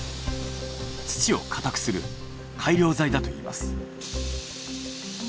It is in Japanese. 土を固くする改良材だといいます。